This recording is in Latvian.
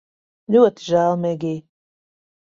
Ļoti žēl, Megij